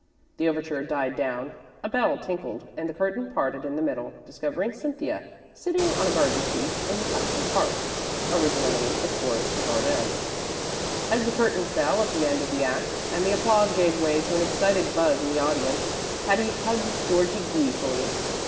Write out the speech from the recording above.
The overture died down; a bell tinkled, and the curtain parted in the middle, discovering Cynthia sitting on a garden seat in the castle park (originally the Forest of Arden). As the curtain fell at the end of the act, and the applause gave way to an excited buzz in the audience, Patty hugged Georgie gleefully.